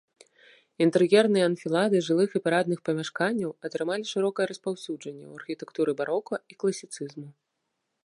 Інтэр'ерныя анфілады жылых і парадных памяшканняў атрымалі шырокае распаўсюджанне ў архітэктуры барока і класіцызму.